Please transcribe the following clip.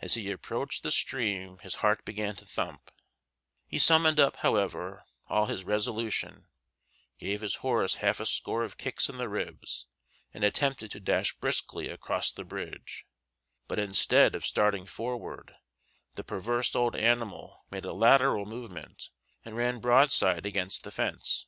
As he approached the stream his heart began to thump; he summoned up, however, all his resolution, gave his horse half a score of kicks in the ribs, and attempted to dash briskly across the bridge; but instead of starting forward, the perverse old animal made a lateral movement and ran broadside against the fence.